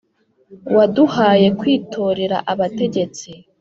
Waduhaye kwitorera abategetsi.